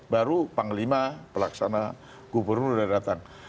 baru panglima pelaksana gubernur sudah datang